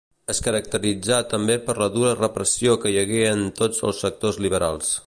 Es caracteritzà també per la dura repressió que hi hagué en tots els sectors liberals.